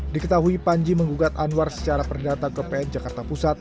diketahui panji menggugat anwar secara perdata ke pn jakarta pusat